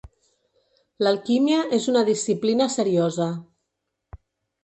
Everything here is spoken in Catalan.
L'alquímia és una disciplina seriosa.